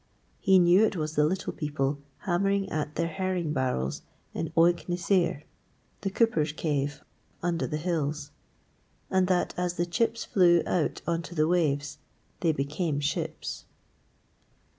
He knew it was the Little People hammering at their herring barrels in Ooig ny Seyir, the Coopers' Cave, under the hills, and that as the chips flew out on to the waves they became ships.